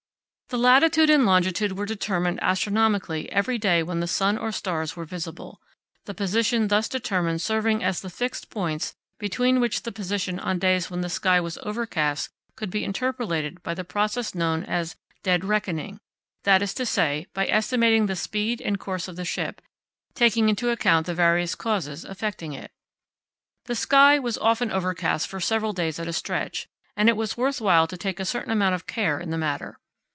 The latitude and longitude were determined astronomically every day when the sun or stars were visible, the position thus determined serving as the fixed points between which the position on days when the sky was overcast could be interpolated by the process known as "dead reckoning," that is to say, by estimating the speed and course of the ship, taking into account the various causes affecting it. The sky was often overcast for several days at a stretch, and it was worth while to take a certain amount of care in the matter.